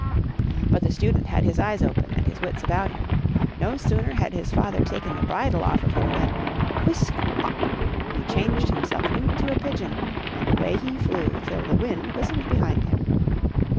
But the Student had his eyes open, and his wits about him. No sooner had his father taken the bridle off of him than — whisk ! pop !— he changed himself into a pigeon and away he flew till the wind whistled behind him.